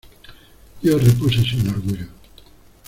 yo repuse sin orgullo: